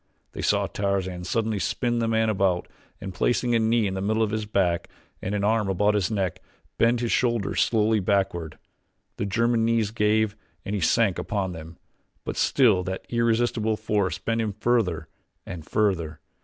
They saw Tarzan suddenly spin the man about and placing a knee in the middle of his back and an arm about his neck bend his shoulders slowly backward. The German's knees gave and he sank upon them, but still that irresistible force bent him further and further.